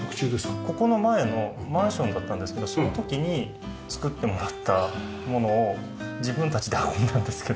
ここの前のマンションだったんですけどその時に作ってもらったものを自分たちで運んだんですけど。